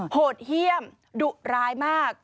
โหดเยี่ยมดุร้ายมาก